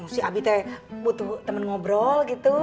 si abi tuh butuh temen ngobrol gitu